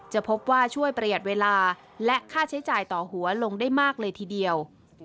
จะพบว่าช่วยประหยัดเวลาและค่าใช้จ่ายต่อหัวลงได้มากเลยทีเดียว